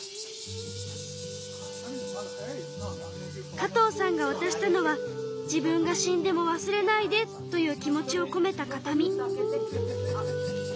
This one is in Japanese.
加藤さんがわたしたのは自分が死んでもわすれないでという気持ちをこめた形見。